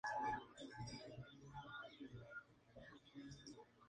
Sus álbumes, sin embargo, continuaron para ser lanzados bajo el nombre de Cookies.